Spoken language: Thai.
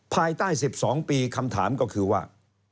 ภายใต้๑๒ปีคำถามก็คือว่า